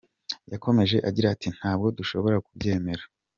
Yakomeje agira ati, “Ntabwo dushobora kubyemera.